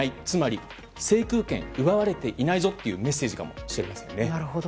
つまり、制空権を奪われていないぞというメッセージかもしれませんね。